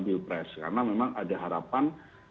bill press karena memang ada harapan